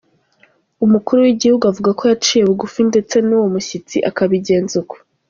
Umukuru w’Igihugu avuga ko yaciye bugufi ndetse n’uwo mushyitsi akabigenza uko.